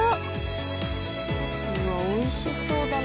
うわ美味しそうだな。